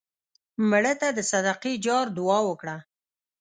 مړه ته د صدقې جار دعا وکړه